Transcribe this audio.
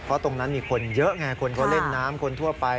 เพราะตรงนั้นมีคนเยอะไงคนเขาเล่นน้ำคนทั่วไป